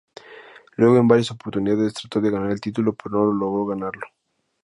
Luego en varias oportunidades trató de ganar el título, pero no logró ganarlo.